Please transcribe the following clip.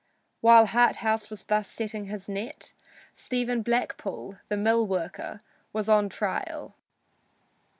While Harthouse was thus setting his net, Stephen Blackpool, the mill worker, was on trial.